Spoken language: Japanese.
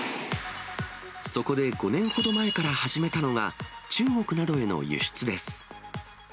そこで、５年ほど前から始めたのが、中国などへの輸出です。